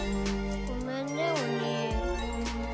ごめんねお兄。